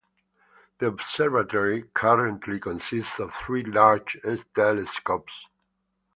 The observatory currently consists of three large telescopes.